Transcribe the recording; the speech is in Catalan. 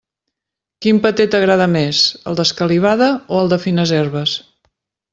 Quin paté t'agrada més, el d'escalivada o el de fines herbes?